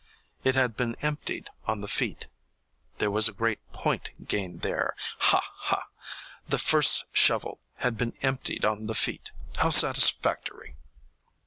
It had been emptied on the feet. There was a great point gained there ha, ha! the first shovelful had been emptied on the feet. How satisfactory!